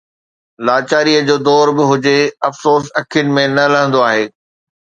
لاچاريءَ جو دور به هجي، افسوس اکين ۾ نه لهندو آهي